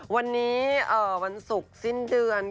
วันนี้วันศุกร์สิ้นเดือน